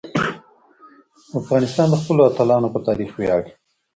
افغانستان د خپلو اتلانو په تاریخ ویاړي.